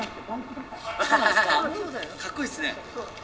かっこいいですね。